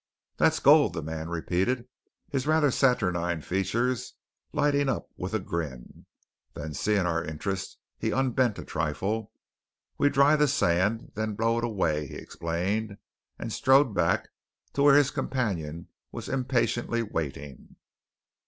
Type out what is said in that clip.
"That's gold," the man repeated, his rather saturnine features lighting up with a grin. Then seeing our interest, he unbent a trifle. "We dry the sand, and then blow it away," he explained; and strode back to where his companion was impatiently waiting.